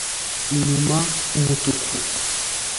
inyuma Umutuku